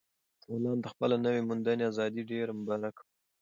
غلام ته خپله نوي موندلې ازادي ډېره مبارک وه.